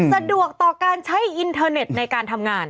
สะดวกต่อการใช้อินเทอร์เน็ตในการทำงาน